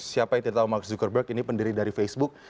siapa yang tidak tahu mark zuckerberg ini pendiri dari facebook